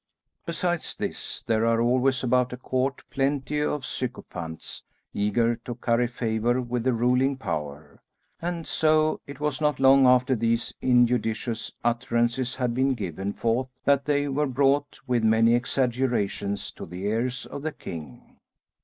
Besides this, there are always about a court plenty of sycophants eager to curry favour with the ruling power; and so it was not long after these injudicious utterances had been given forth that they were brought, with many exaggerations, to the ears of the king.